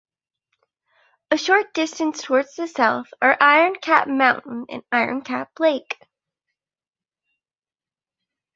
A short distance towards the South are Iron Cap Mountain and Iron Cap Lake.